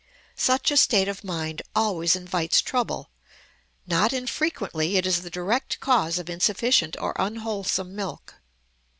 Such a state of mind always invites trouble; not infrequently it is the direct cause of insufficient or unwholesome milk.